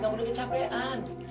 kamu udah kecapean